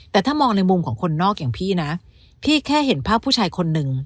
แต่ถ้ามองในมุมของคนนอกอย่างพี่นะพี่แค่เห็นภาพผู้ชายคนนึง